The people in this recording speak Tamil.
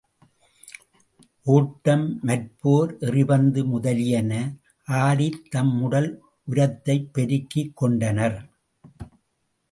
ஓட்டம், மற்போர், எறிபந்து முதலியன ஆடித் தம் உடல் உரத்தைப் பெருக்கிக் கொண்டனர்.